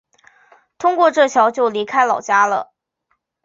通过这桥就离开老家了